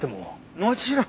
もちろん。